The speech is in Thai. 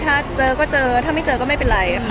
ถ้าเจอก็เจอถ้าไม่เจอก็ไม่เป็นไรค่ะ